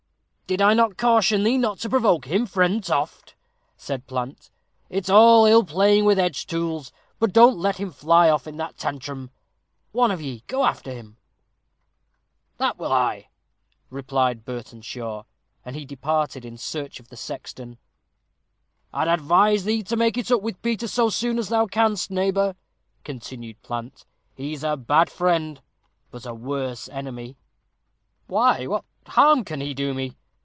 "Did I not caution thee not to provoke him, friend Toft?" said Plant; "it's ill playing with edge tools; but don't let him fly off in that tantrum one of ye go after him." "That will I," replied Burtenshaw; and he departed in search of the sexton. "I'd advise thee to make it up with Peter so soon as thou canst, neighbor," continued Plant; "he's a bad friend, but a worse enemy." "Why, what harm can he do me?"